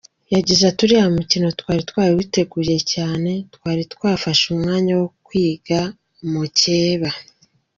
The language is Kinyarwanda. Yagize ati “Uriya mukino twari twawiteguye cyane, twari twafashe umwanya wo kwiga mukeba.